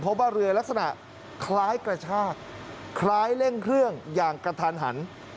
เพราะว่าเรือลักษณะคล้ายกระชากคล้ายเร่งเครื่องอย่างกระทันหัน